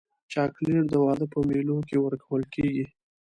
چاکلېټ د واده په مېلو کې ورکول کېږي.